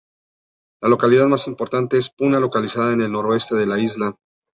La localidad más importante es Puná, localizada en el noreste de la isla.